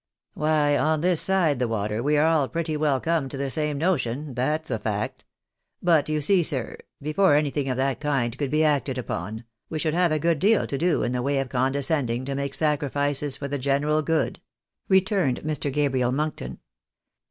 " Why, on this side the water we are all pretty well come to the same notion, that's a fact. But you see, sir, before anything of that kind could be acted upon, we should have a good deal to do in the way of condescending to make sacrifices for the general good," returned Mr. Gabriel Monkton.